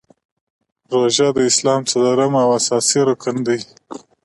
روژه د اسلام څلورم او اساسې رکن دی .